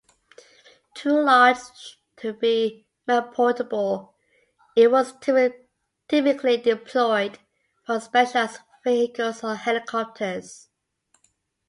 Too large to be manportable, it was typically deployed from specialised vehicles or helicopters.